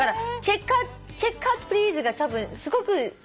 「チェックアウトプリーズ」がたぶんすごく発音が。